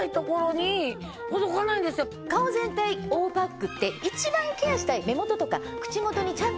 顔全体覆うパックって。